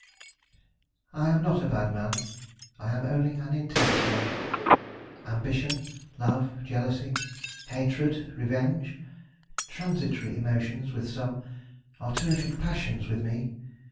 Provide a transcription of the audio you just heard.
I am not a bad man; I am only an intense one. Ambition, love, jealousy, hatred, revenge transitory emotions with some, are terrific passions with me.